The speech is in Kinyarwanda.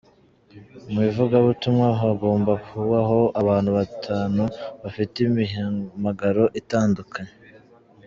Mu ivugabutumwa hagomba kubaho abantu batanu bafite imihamagaro itandukanye